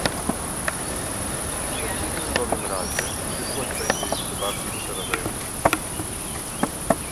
W przeciwnym bowiem razie przyszłość będzie jeszcze bardziej przerażająca